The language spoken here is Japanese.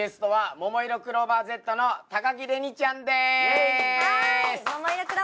ももいろクローバーＺの高城れにです。